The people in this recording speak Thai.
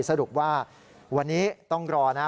สรุปว่าวันนี้ต้องรอนะ